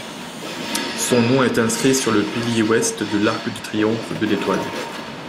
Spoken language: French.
Son nom est inscrit sur le pilier Ouest de l'arc de triomphe de l'Étoile.